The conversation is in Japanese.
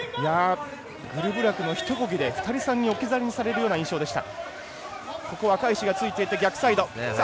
グルブラクのひとこぎで２人３人、置き去りにされる印象でした。